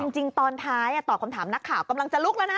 จริงตอนท้ายตอบคำถามนักข่าวกำลังจะลุกแล้วนะ